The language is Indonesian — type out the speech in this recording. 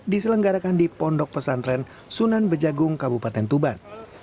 diselenggarakan di pondok pesantren sunan bejagung kabupaten tuban